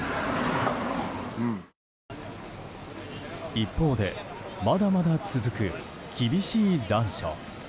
一方でまだまだ続く厳しい残暑。